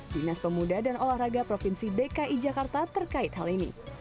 dinas pemuda dan olahraga provinsi dki jakarta terkait hal ini